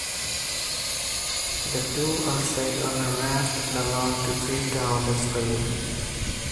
The two are set on a raft and allowed to drift down the stream.